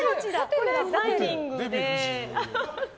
これダイニングで。